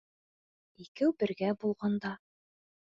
Икәү бергә булғанда...